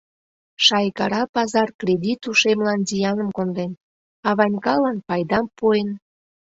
Шайгара пазар кредит ушемлан зияным конден, а Ванькалан пайдам пуэн.